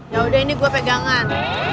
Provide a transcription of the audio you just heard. ya udah ini gue pegangan